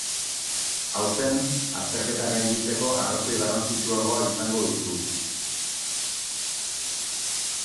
Aurten, azterketak gainditzeko arrazoi garrantzitsuagoa izango duzu.